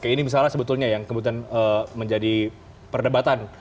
ini misalnya sebetulnya yang kemudian menjadi perdebatan